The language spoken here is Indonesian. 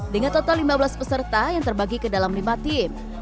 dengan total lima belas peserta yang terbagi ke dalam lima tim